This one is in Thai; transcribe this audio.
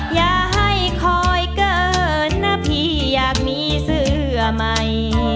อย่าให้คอยเกินนะพี่อยากมีเสื้อใหม่